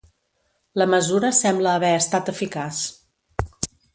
La mesura sembla haver estat eficaç.